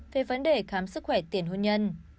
về vấn đề khám sức khỏe tiền hôn nhân